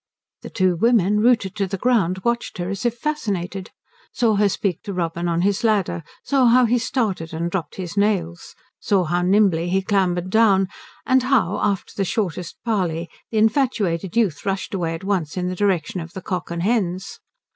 The two women, rooted to the ground, watched her as if fascinated, saw her speak to Robin on his ladder, saw how he started and dropped his nails, saw how nimbly he clambered down, and how after the shortest parley the infatuated youth rushed away at once in the direction of the Cock and Hens.